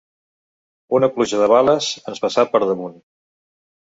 Una pluja de bales ens passà per damunt.